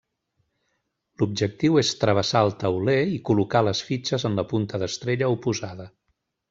L'objectiu és travessar el tauler i col·locar les fitxes en la punta d'estrella oposada.